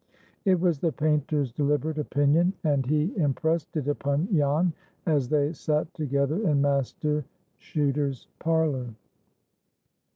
It was the painter's deliberate opinion, and he impressed it upon Jan, as they sat together in Master Chuter's parlor.